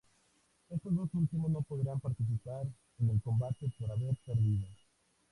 Estos dos últimos no podrán participar en el combate por haber perdido.